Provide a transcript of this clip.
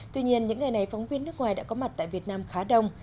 tuy nhiên những ngày này phóng viên nước ngoài đã có mặt tại việt nam khá đông